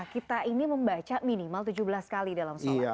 kita ini membaca minimal tujuh belas kali dalam sholat